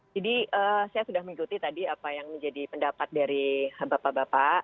jadi saya sudah mengikuti tadi apa yang menjadi pendapat dari bapak bapak